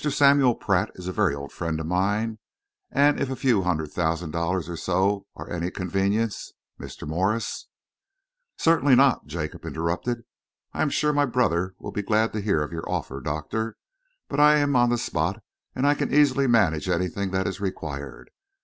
Samuel Pratt is a very old friend of mine, and if a few hundred thousand dollars or so are any convenience, Mr. Morse " "Certainly not," Jacob interrupted. "I am sure my brother will be glad to hear of your offer, Doctor, but I am on the spot and I can easily manage anything that is required.